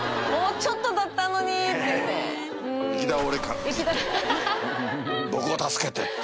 もうちょっとだったのにって。